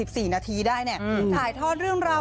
สี่นาทีได้เนี่ยถ่ายทอดเรื่องราว